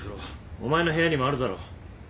お前の部屋にもあるだろう！？